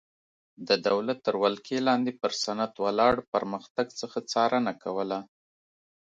د دولت تر ولکې لاندې پر صنعت ولاړ پرمختګ څخه څارنه کوله.